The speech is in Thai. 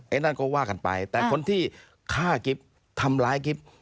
นั่นก็ว่ากันไปแต่คนที่ฆ่ากิ๊บทำร้ายกิ๊บ